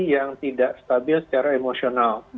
yang tidak stabil secara emosional